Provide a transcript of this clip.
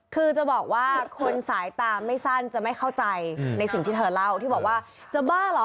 คือจะบอกว่าคนสายตาไม่สั้นจะไม่เข้าใจในสิ่งที่เธอเล่าที่บอกว่าจะบ้าเหรอ